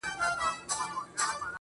و تاته چا زما غلط تعريف کړی و خدايه.